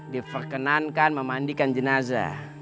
diperkenankan memandikan jenazah